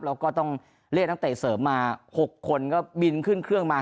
แล้วก็ต้องเรียกนักเตะเสริมมา๖คนก็บินขึ้นเครื่องมา